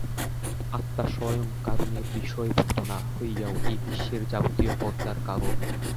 আত্মা স্বয়ং কারণের বিষয়ীভূত না হইয়াও এই বিশ্বের যাবতীয় পদার্থের কারণ।